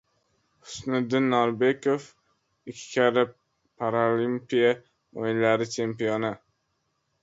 Husniddin Norbekov – ikki karra Paralimpiya o‘yinlari chempioni!